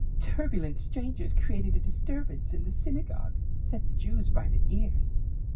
" Turbulent strangers — created a disturbance in the synagogue — set the Jews by the ears.